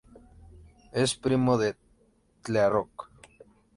Es primo de The Rock.